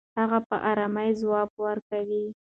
هغه په ارامۍ ځواب ورکوي.